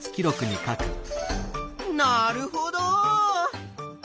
なるほど。